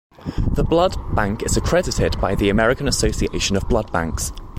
The blood bank is accredited by the American Association of Blood Banks.